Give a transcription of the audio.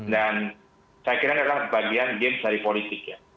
dan saya kira adalah bagian game seri politik ya